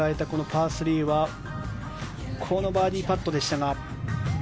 パー３はこのバーディーパットでしたが。